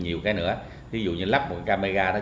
nhiều cái nữa ví dụ như lắp một camera